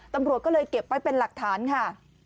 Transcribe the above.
ตำรวจก็เลยเก็บไว้เป็นหลักฐานค่ะ